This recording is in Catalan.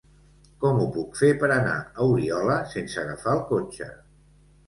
Com ho puc fer per anar a Oriola sense agafar el cotxe?